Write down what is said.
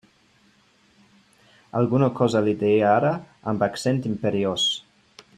Alguna cosa li deia ara amb accent imperiós.